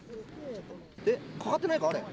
かかってないか、あれ。